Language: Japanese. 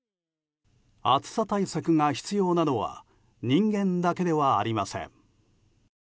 暑さ対策が必要なのは人間だけではありません。